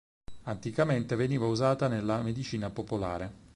Anticamente veniva usata nella medicina popolare.